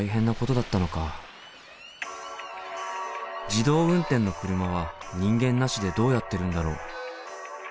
自動運転の車は人間なしでどうやってるんだろう？